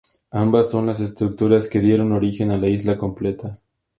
Ambas son las estructuras que dieron origen a la isla completa.